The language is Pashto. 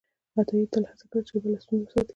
عطایي تل هڅه کړې چې ژبه له ستونزو وساتي.